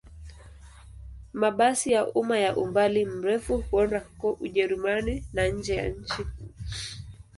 Mabasi ya umma ya umbali mrefu huenda huko Ujerumani na nje ya nchi.